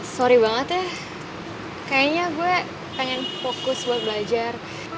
sorry banget ya kayaknya gue pengen fokus buat belajar